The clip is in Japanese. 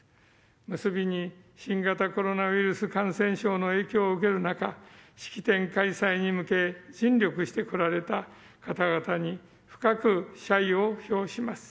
結びに新型コロナウイルス感染症の影響を受ける中式典開催に向け尽力してこられた方々に深く謝意を表します。